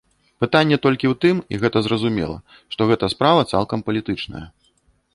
Пытанне толькі ў тым, і гэта зразумела, што гэта справа цалкам палітычная.